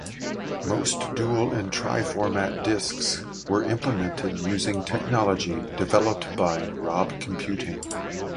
Most dual and tri-format disks were implemented using technology developed by Rob Computing.